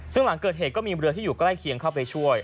ซึ่งหลังเกิดเหตุก็มีเรือที่อยู่ใกล้เคียงเข้าไปช่วย